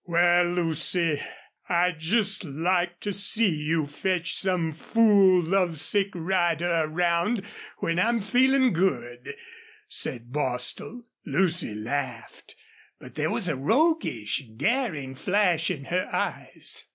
"Wal, Lucy, I'd just like to see you fetch some fool love sick rider around when I'm feelin' good," said Bostil. Lucy laughed, but there was a roguish, daring flash in her eyes.